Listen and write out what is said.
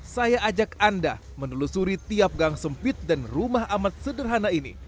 saya ajak anda menelusuri tiap gang sempit dan rumah amat sederhana ini